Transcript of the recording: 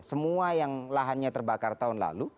semua yang lahannya terbakar tahun lalu